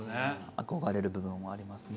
憧れる部分はありますね。